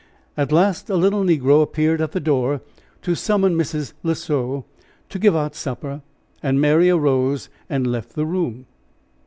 At last a little negro appeared at the door to summon Mrs. L'Oiseau to give out supper, and Mary arose and left the room.